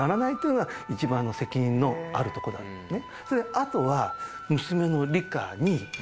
あとは。